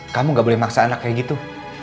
kamu gak boleh maksa anak kayak gitu